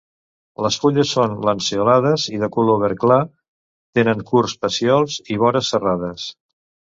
Les fulles són lanceolades i de color verd clar, tenen curts pecíols i vores serrades.